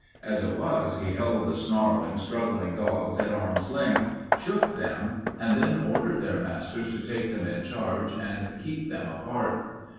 As it was, he held the snarling, struggling dogs at arm's length, shook them, and then ordered their masters to take them in charge and keep them apart.